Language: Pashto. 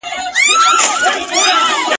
ایوب خان کندهار کلابندوي.